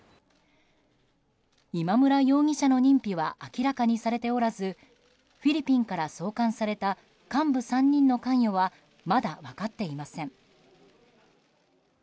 今村容疑者の認否は明らかにされておらずフィリピンから送還された幹部３人の関与はまだ分かっていません。